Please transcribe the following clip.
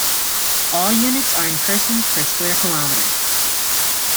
All units are in persons per square kilometer.